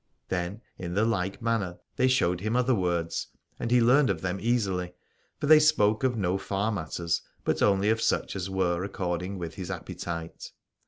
Then in the like manner they showed him other words, and he learned of them easily : for they spoke of no far matters but only of such as were according with his appetite.